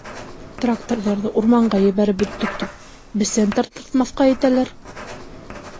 Тракторҙарҙы урманға ебәреп бөттөк тип, бесән тарттырмаҫҡа итәләр.